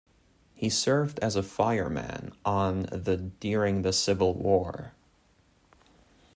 He served as a fireman on the during the Civil War.